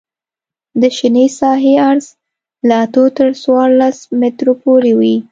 د شنې ساحې عرض له اتو تر څوارلس مترو پورې وي